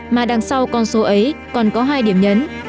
mà đằng sau con số ấy còn có hai điểm nhấn